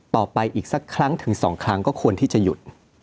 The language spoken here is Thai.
ต่อไปอีกสักครั้งถึง๒ครั้งก็ควรที่จะหยุด